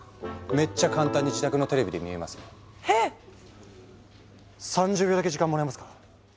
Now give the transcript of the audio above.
めっちゃ簡単に自宅のテレビで見れますよ。へ⁉３０秒だけ時間もらえますか？